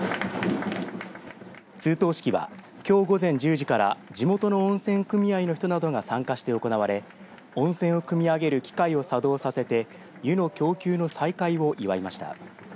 通湯式は、きょう午前１０時から地元の温泉組合の人などが参加して行われ温泉をくみ上げる機械を作動させて湯の供給の再開を祝いました。